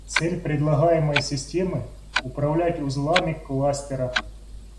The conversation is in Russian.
Цель предлагаемой системы – управлять узлами кластера